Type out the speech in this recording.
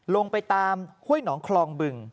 ลงไปตามห้วยหนองคลองบึง